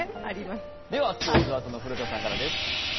ではスポ−ツはその古田さんからです。